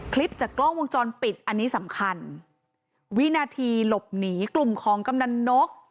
คลิปจากกล้องวงจรปิดอันนี้สำคัญวินาทีหลบหนีกลุ่มของกำนันนก